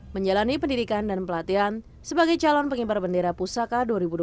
menjalani pendidikan dan pelatihan sebagai calon pengibar bendera pusaka dua ribu dua puluh